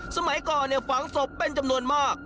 สมัยก่อนฝังศพเป็นจำนวนมาก